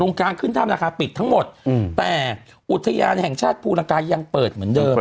การขึ้นถ้ำราคาปิดทั้งหมดแต่อุทยานแห่งชาติภูลังกายังเปิดเหมือนเดิม